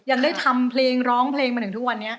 ยังได้ทำเพลงร้องเพลงมาถึงทุกวันนี้